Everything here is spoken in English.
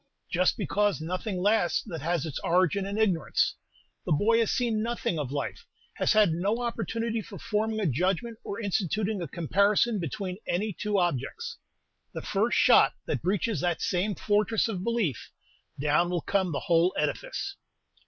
"Just because nothing lasts that has its origin in ignorance. The boy has seen nothing of life, has had no opportunity for forming a judgment or instituting a comparison between any two objects. The first shot that breaches that same fortress of belief, down will come the whole edifice!"